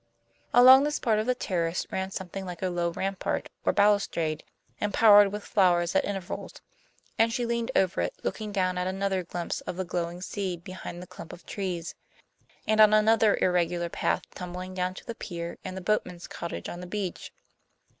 Along this part of the terrace ran something like a low rampart or balustrade, embowered with flowers at intervals; and she leaned over it, looking down at another glimpse of the glowing sea behind the clump of trees, and on another irregular path tumbling down to the pier and the boatman's cottage on the beach.